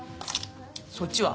そっちは？